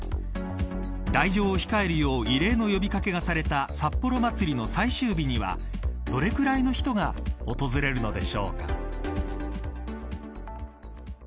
来場を控えるよう異例の呼び掛けがされた札幌まつりの最終日にはどれくらいの人が訪れるのでしょうか。